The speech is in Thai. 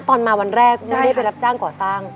ตอนมาวันแรกไม่ได้ไปรับจ้างก่อสร้าง